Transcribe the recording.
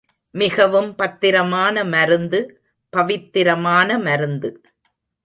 மிகவும் பத்திரமான மருந்து, பவித்தரமான மருந்து.